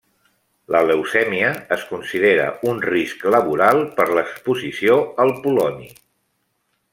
La leucèmia es considera un risc laboral per l'exposició al poloni.